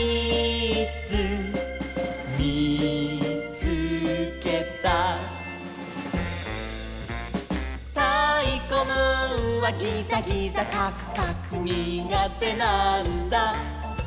つけた」「たいこムーンはギザギザカクカクにがてなんだ」